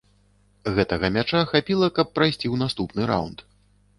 Гэтага мяча хапіла, каб прайсці ў наступны раўнд.